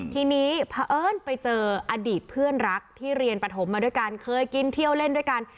ทีนี้พอเอิญไปเจออดีตเพื่อนรักที่เรียนปฐมมาด้วยกันเคยกินเที่ยวเล่นด้วยกัน